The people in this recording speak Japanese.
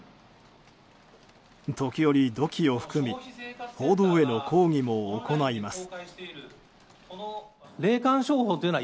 時折、怒気を含み報道への抗議も行います。